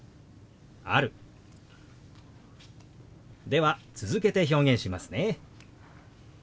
では続けて表現しますね。